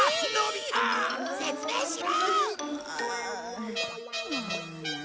説明しろ！